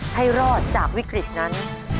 ให้รอดจากวิกฤตนั้น